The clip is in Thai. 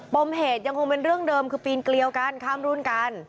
มเหตุยังคงเป็นเรื่องเดิมคือปีนเกลียวกันข้ามรุ่นกัน